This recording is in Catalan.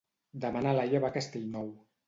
Demà na Laia va a Castellnou.